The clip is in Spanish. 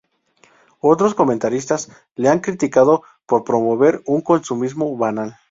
Otros comentaristas la han criticado por promover un consumismo banal.